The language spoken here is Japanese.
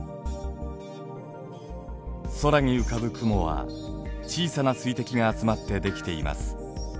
空に浮かぶ雲は小さな水滴が集まって出来ています。